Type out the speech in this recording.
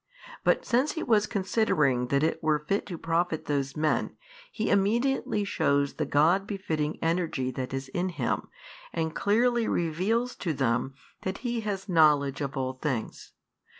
But since He was considering that it were fit to profit those men, He immediately shews the God befitting Energy that is in Him, and clearly reveals to them that He has knowledge of all things.